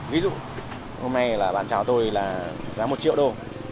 ví dụ hôm nay là bạn chào tôi là giá một triệu đô